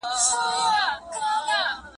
لکه د یوې نجلۍ په کمیس چې پاشلي سپین زرک